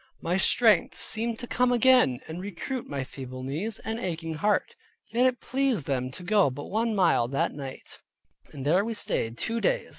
My strength seemed to come again, and recruit my feeble knees, and aching heart. Yet it pleased them to go but one mile that night, and there we stayed two days.